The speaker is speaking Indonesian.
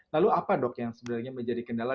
lalu apa dok yang sebenarnya menjadi kendala